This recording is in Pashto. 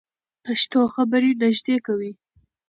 پښتو خبرې نږدې کوي.